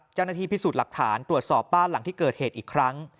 เจ้าหน้าที่พิสูจน์หลักฐานตรวจสอบบ้านหลังที่เกิดเหตุอีกครั้ง